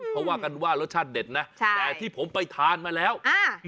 เขาว่ากันว่ารสชาติเด็ดนะใช่แต่ที่ผมไปทานมาแล้วอ่า